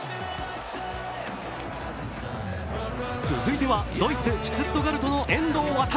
続いてはドイツ・シュツットガルトの遠藤航。